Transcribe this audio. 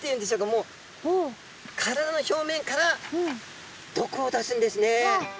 もう体の表面から毒を出すんですね。